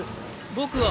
僕は。